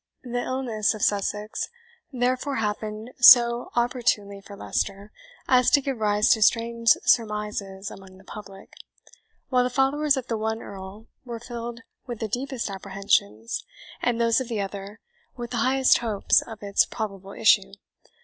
The illness of Sussex therefore happened so opportunely for Leicester, as to give rise to strange surmises among the public; while the followers of the one Earl were filled with the deepest apprehensions, and those of the other with the highest hopes of its probable issue.